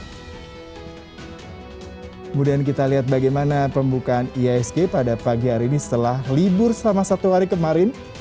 kemudian kita lihat bagaimana pembukaan iisg pada pagi hari ini setelah libur selama satu hari kemarin